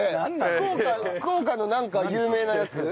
福岡のなんか有名なやつ？